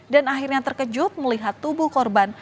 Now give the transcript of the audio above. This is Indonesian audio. dan akhirnya terkejut melihat tubuh korban